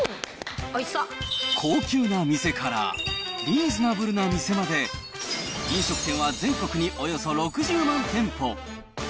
高級な店から、リーズナブルな店まで、飲食店は全国におよそ６０万店舗。